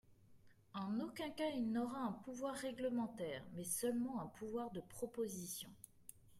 En aucun cas il n’aura un pouvoir réglementaire, mais seulement un pouvoir de proposition.